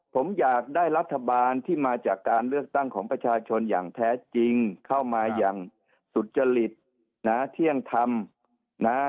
ผมอยากได้รัฐบาลที่มาจากการเลือกตั้งของประชาชนอย่างแท้จริงเข้ามาอย่างสุจริตนะเที่ยงธรรมนะ